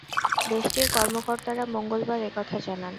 দেশটির কর্মকর্তারা মঙ্গলবার এ কথা জানান।